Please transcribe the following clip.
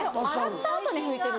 洗った後に拭いてる。